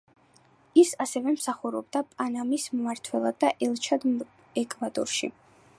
ის ასევე მსახურობდა პანამის მმართველად და ელჩად ეკვადორში.